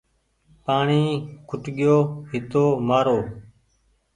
پآڻيٚ کٽگيو هيتومآرو